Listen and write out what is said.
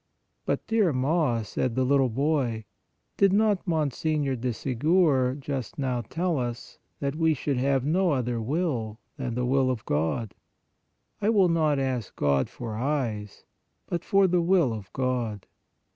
" But, dear Ma," said the little boy, "did not Mgr. de Segur just now tell us that we should have no other will than the will of God? I will not ask God for eyes, but for the will of God."